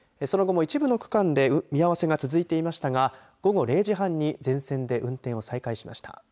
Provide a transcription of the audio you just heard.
その後も一部の区間で見合わせが続いていましたが午後０時半に全線で運転を再開しました。